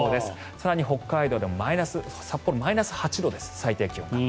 更に北海道でも札幌マイナス８度です最低気温が。